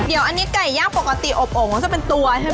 เดี๋ยวอันนี้ไก่ย่างปกติอบโอ่งก็จะเป็นตัวใช่ไหม